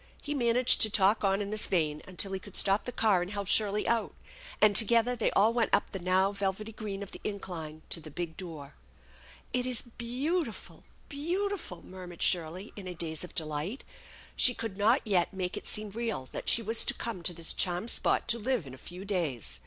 He managed to talk on in this vein until he could stop the car and help Shirley out, and together they all went up the now velvety green of the incline to the big door. " It is beautiful ! beautiful I " murmured Shirley in a daze of delight. She could not yet make it seem real that she was to come to this charmed spot to live in a few days.